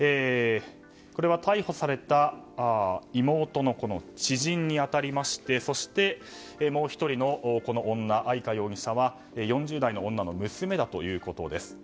これは逮捕された妹の知人に当たりましてそして、もう１人の女愛香容疑者は４０代の女の娘だということです。